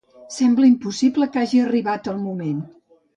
Sembla impossible que ja hagi arribat el moment.